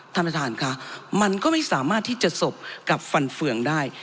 ท่านประธานค่ะมันก็ไม่สามารถที่จะสบกับฟันเฟืองได้